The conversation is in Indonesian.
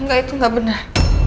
gak itu gak bener